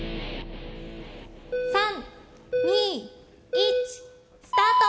３２１スタート！